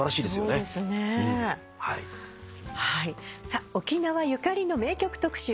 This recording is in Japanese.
さあ沖縄ゆかりの名曲特集